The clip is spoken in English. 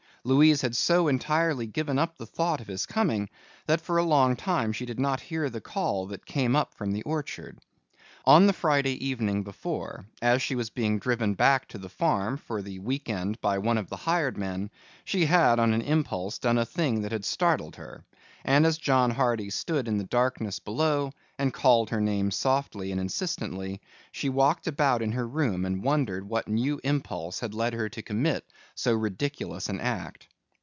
Louise had so entirely given up the thought of his coming that for a long time she did not hear the call that came up from the orchard. On the Friday evening before, as she was being driven back to the farm for the week end by one of the hired men, she had on an impulse done a thing that had startled her, and as John Hardy stood in the darkness below and called her name softly and insistently, she walked about in her room and wondered what new impulse had led her to commit so ridiculous an act.